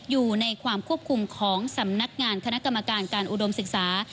อยู่ในความควบคุมของสำนักงานคณะกรรมการการอุดมศึกษา